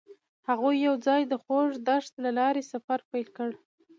هغوی یوځای د خوږ دښته له لارې سفر پیل کړ.